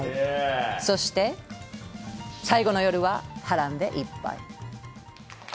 そして最後の夜は波乱でいっぱい。